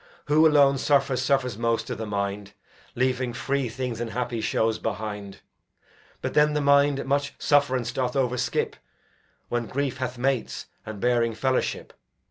Who alone suffers suffers most i' th' mind, Leaving free things and happy shows behind; But then the mind much sufferance doth o'erskip When grief hath mates, and bearing fellowship.